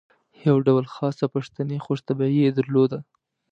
یو ډول خاصه پښتني خوش طبعي یې درلوده.